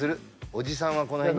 おじさんはこの辺に。